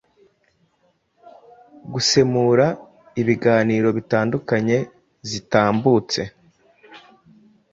gusemura ibiganiro bitandukanye zitambutsa